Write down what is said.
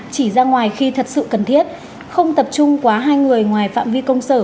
chỉ ra ngoài khi thật sự cần thiết không tập trung quá hai người ngoài phạm vi công sở